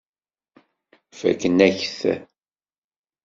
Fakken-ak-t.